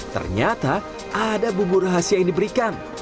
ternyata ada bumbu rahasia yang diberikan